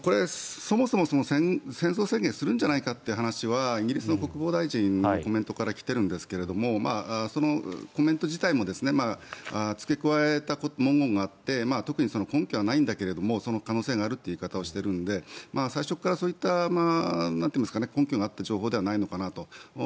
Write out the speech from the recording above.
そもそも戦争宣言するんじゃないかって話はイギリスの国防大臣のコメントから来てるんですけどもそのコメント自体もつけ加えた文言があって特に根拠はないんだけどその可能性があるという言い方をしているので最初からそういった根拠があっての情報ではないのかなと。